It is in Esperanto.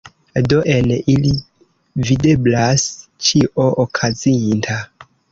Do en ili videblas ĉio okazinta!